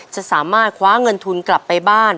จะสามารถคว้าเงินทุนกลับไปบ้าน